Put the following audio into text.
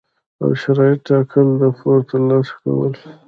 او شرایط ټاکل، د پور ترلاسه کول،